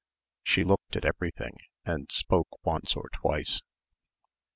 She looked at everything and spoke once or twice.